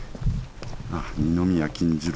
あっ、二宮金次郎